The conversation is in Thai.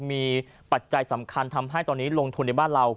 มีปัจจัยสำคัญทำให้ตอนนี้ลงทุนในบ้านเรา